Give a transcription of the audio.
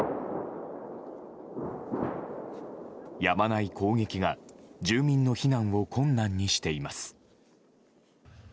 やまない攻撃が住民の避難を困難にしています。